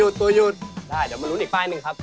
ได้เดี๋ยวมาลุ้นอีกป้ายหนึ่งครับ